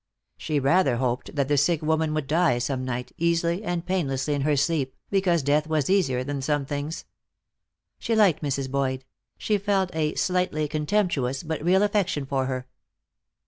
She rather hoped that the sick woman would die some night, easily and painlessly in her sleep, because death was easier than some things. She liked Mrs. Boyd; she felt a slightly contemptuous but real affection for her.